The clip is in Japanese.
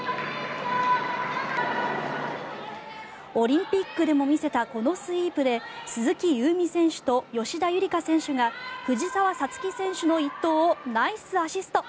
オリンピックでも見せたこのスイープで鈴木夕湖選手と吉田夕梨花選手が藤澤五月選手の一投をナイスアシスト。